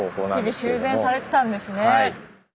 日々修繕されてたんですね。